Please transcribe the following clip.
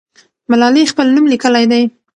ملالۍ خپل نوم لیکلی دی.